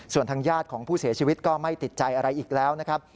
ส่วนทางญาติของผู้เสียชีวิตก็ไม่ติดใจอะไรอีกแล้วนะครับ